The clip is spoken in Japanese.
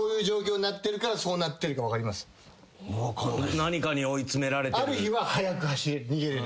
何かに追い詰められてる。